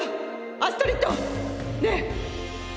アストリッドねえ！